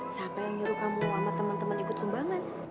siapa yang nyuruh kamu sama temen temen ikut sumbangan